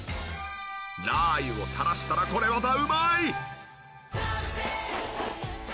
ラー油を垂らしたらこれまたうまい！